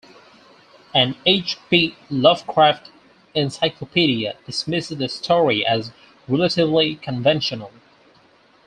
"An H. P. Lovecraft Encyclopedia" dismisses the story as "relatively conventional".